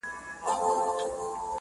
شاهدان كه د چا ډېر وه د ظلمونو!.